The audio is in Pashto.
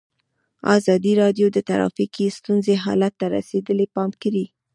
ازادي راډیو د ټرافیکي ستونزې حالت ته رسېدلي پام کړی.